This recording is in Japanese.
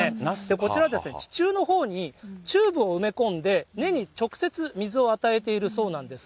こちら、地中のほうにチューブを埋め込んで、根に直接水を与えているそうなんです。